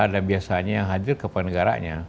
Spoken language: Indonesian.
dan biasanya hadir kepengaranya